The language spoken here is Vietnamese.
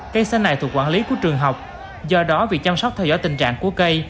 cây xanh này thuộc quản lý của trường học do đó việc chăm sóc theo dõi tình trạng của cây